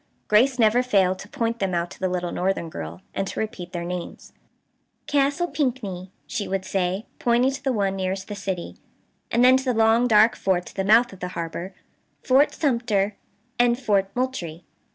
Grace never failed to point them out to the little northern girl, and to repeat their names: "Castle Pinckney," she would say, pointing to the one nearest the city, and then to the long dark forts at the mouth of the harbor, "Fort Sumter, and Fort Moultrie."